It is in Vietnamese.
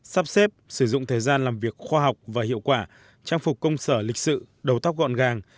sắp xếp sử dụng thời gian làm việc khoa học và hiệu quả trang phục công sở lịch sự đầu tóc gọn gàng